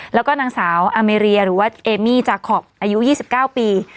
แล้วก็หนังสาวอาเมรียหรือว่าเอมิจากขอบอายุสิบเก้าปี